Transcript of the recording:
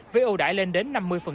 với ưu đãi lên đến năm mươi